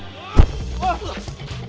pak polisi ini